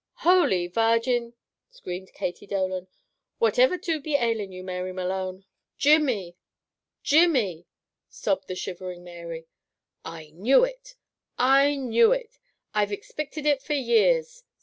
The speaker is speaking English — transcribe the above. "Holy Vargin!" screamed Katy Dolan. "Whativer do be ailin' you, Mary Malone?" "Jimmy! Jimmy!" sobbed the shivering Mary. "I knew it! I knew it! I've ixpicted it for years!"